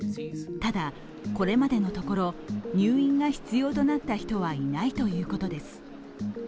ただ、これまでのところ入院が必要となった人はいないということです。